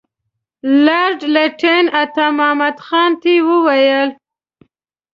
لارډ لیټن عطامحمد خان ته وویل.